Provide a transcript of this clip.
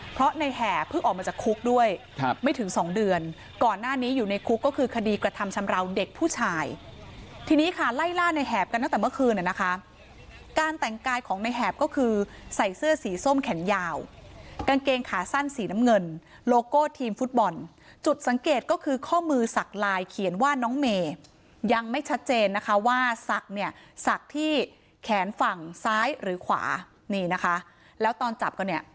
เพราะในแหบเพิ่งออกมาจากคุกด้วยไม่ถึง๒เดือนก่อนหน้านี้อยู่ในคุกก็คือคดีกระทำชำราวเด็กผู้ชายทีนี้ค่ะไล่ล่าในแหบกันตั้งแต่เมื่อคืนนะคะการแต่งกายของในแหบก็คือใส่เสื้อสีส้มแขนยาวกางเกงขาสั้นสีน้ำเงินโลโก้ทีมฟุตบอลจุดสังเกตก็คือข้อมือสักลายเขียนว่าน้องเมย์ยังไม่ชั